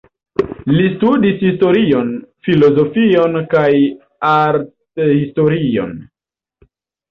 Li studis historion, filozofion kaj arthistorion.